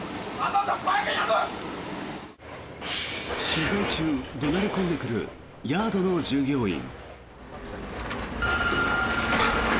取材中、怒鳴り込んでくるヤードの従業員。